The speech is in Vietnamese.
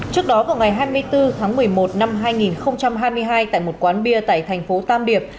trước đó vào ngày hai mươi bốn tháng một mươi một năm hai nghìn hai mươi hai tại một quán bia tại thành phố tam điệp